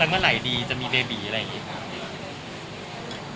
เมื่อไหร่ดีจะมีเบบีอะไรอย่างนี้